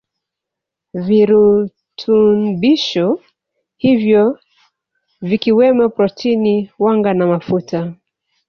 Virutunbisho hivyo ni vikiwemo protini wanga na mafuta